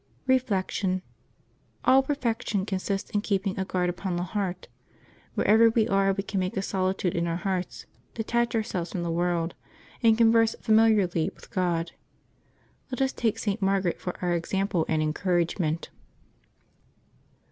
Reflection. — All perfection consists in keeping a guard upon the heart. Wherever we are, we can make a solitude in our hearts, detach ourselves from the world, and con verse familiarly with God. Let us take St. Margaret for our example and encouragement.